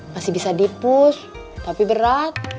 masih bisa dipush tapi berat